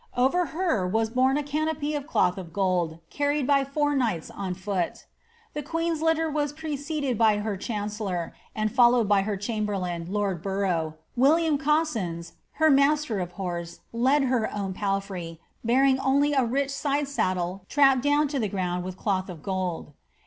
Over her was borne a canopy of cloth of gold, carried by four kniglits on foot The queen's litter was preceded by her chancellor, and followed by her chamberlain, lord Borough;* William Cosyns, her master of horse, led her own palfrey, bearing only a rich side saddle trapped down to the ground with cloth of gold.